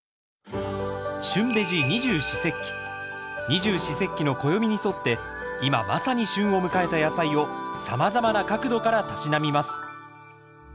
二十四節気の暦に沿って今まさに旬を迎えた野菜をさまざまな角度からたしなみます。